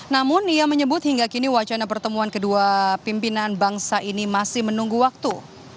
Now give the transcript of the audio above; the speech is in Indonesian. namun ia menyebut hingga kini wacana pertemuan kedua pimpinan bangsa ini masih menunggu waktu